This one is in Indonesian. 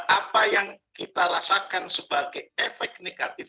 apa yang kita rasakan sebagai efek negatif